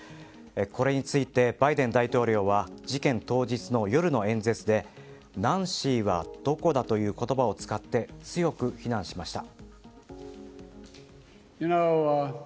これについて、バイデン大統領は事件当日の夜の演説でナンシーはどこだという言葉を使って強く非難しました。